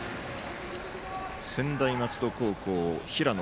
専大松戸高校、平野